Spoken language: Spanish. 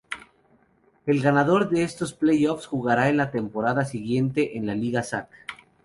El ganador de estos playoffs jugará en la temporada siguiente en la liga Zac.